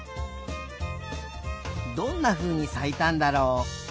どんなふうにさいたんだろう？